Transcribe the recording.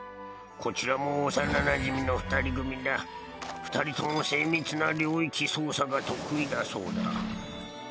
こちらも幼なじみの２人組だ二人とも精密な領域操作が得意だそうだ